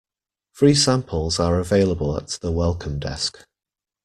Free samples are available at the Welcome Desk.